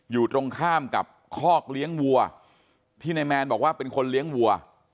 อยู่ตรงข้ามกับคอกเลี้ยงวัวที่นายแมนบอกว่าเป็นคนเลี้ยงวัว